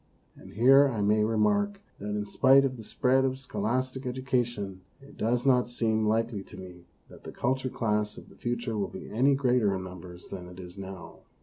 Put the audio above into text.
And here I may remark that in spite of the spread of scholastic edu cation it does not seem likely to me that the cultured class of the future will be any greater in numbers than it is now.